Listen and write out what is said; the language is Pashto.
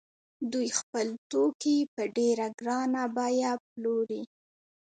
دوی خپل توکي په ډېره ګرانه بیه پلوري